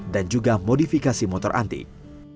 dan juga modifikasi motor antik